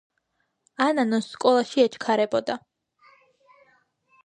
ანანოს სკოლაში ეჩქარებოდა